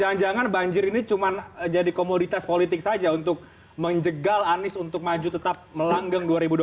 jangan jangan banjir ini cuma jadi komoditas politik saja untuk menjegal anies untuk maju tetap melanggeng dua ribu dua puluh